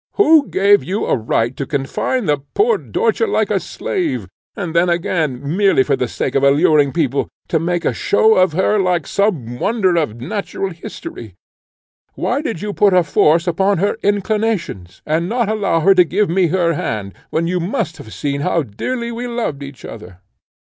Who gave you a right to confine the poor Dörtje like a slave, and then again, merely for the sake of alluring people, to make a show of her like some wonder of natural history? Why did you put a force upon her inclinations, and not allow her to give me her hand, when you must have seen how dearly we loved each other?